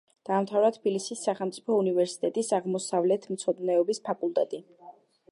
დაამთავრა თბილისის სახელმწიფო უნივერსიტეტის აღმოსავლეთმცოდნეობის ფაკულტეტი.